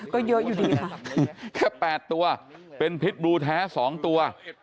ก็เยอะอยู่ดีค่ะแค่๘ตัวเป็นพิษบลูแท้๒ตัว